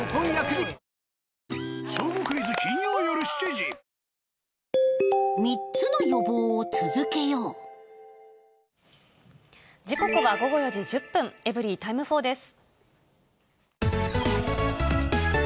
時刻は午後４時１０分、エブリィタイム４です。